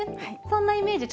そんなイメージ。